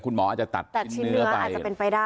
คุณหมออาจจะตัดชิ้นเนื้อไป